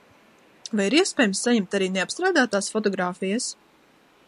Vai ir iespējams saņemt arī neapstrādātās fotogrāfijas?